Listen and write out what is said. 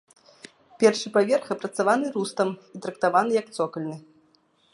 Першы паверх апрацаваны рустам і трактаваны як цокальны.